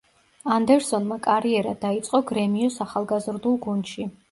ანდერსონმა კარიერა დაიწყო „გრემიოს“ ახალგაზრდულ გუნდში.